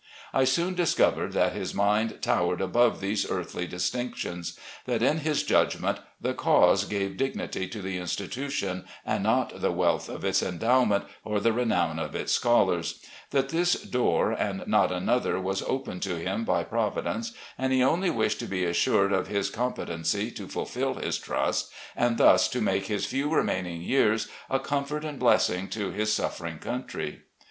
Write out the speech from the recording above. I soon discovered that his mind towered above these earthly distinctions; that, in his judgment, the cause gave dignity to the institution, and not the wealth of its endowment or the renown of its scholars; that this door and not another was opened to him by Providence, and he only wished to be assured of his competency to fulfil his trust and thus to make his few remaining years a comfort and blessing to his suffering country.